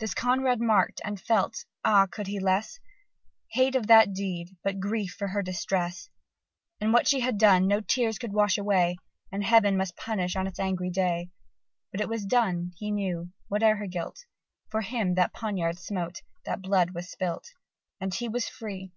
This Conrad mark'd, and felt ah! could he less? Hate of that deed, but grief for her distress; What she has done no tears could wash away, And Heaven must punish on its angry day: But it was done: he knew, whate'er her guilt, For him that poniard smote, that blood was spilt; And he was free!